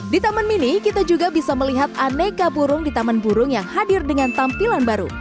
di taman mini kita juga bisa melihat aneka burung di taman burung yang hadir dengan tampilan baru